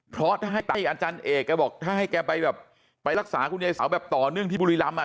เพราะถ้าให้อาจารย์เอกแกบอกถ้าให้แกไปแบบไปรักษาคุณยายเสาแบบต่อเนื่องที่บุรีรำอ่ะ